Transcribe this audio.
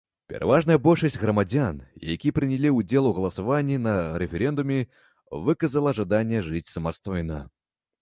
Пераважная большасць грамадзян, якія прынялі ўдзел у галасаванні на рэферэндуме, выказала жаданне жыць самастойна.